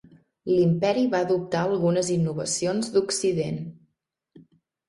L'Imperi va adoptar algunes innovacions d'Occident.